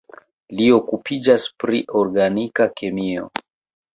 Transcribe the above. Li okupiĝas pri organika kemio.